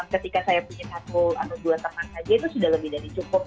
ketika saya punya satu atau dua teman saja itu sudah lebih dari cukup